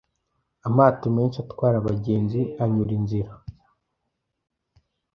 Amato menshi atwara abagenzi anyura inzira